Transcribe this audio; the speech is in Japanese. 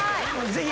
ぜひ。